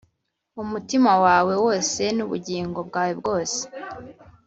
Umutima wawe wose n ubugingo bwawe bwose